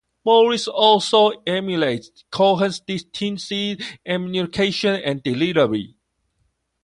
Morris also emulates Cochran's distinctive enunciation and delivery.